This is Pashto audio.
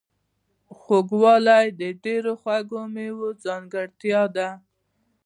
خوږوالی د ډیرو خواږو میوو ځانګړتیا ده.